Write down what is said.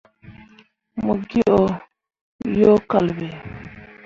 Mo ge o yo kal ɓe.